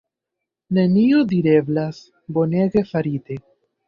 Nenio direblas, bonege farite!